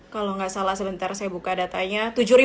kalau nggak salah sebentar saya buka datanya